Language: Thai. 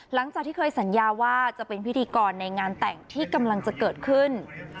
หลังจากที่เคยสัญญาว่าจะเป็นพิธีกรในงานแต่งที่กำลังจะเกิดขึ้น